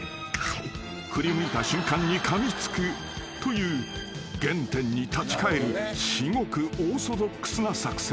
［振り向いた瞬間にかみつくという原点に立ち返る至極オーソドックスな作戦］